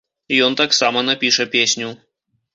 Ён таксама напіша песню.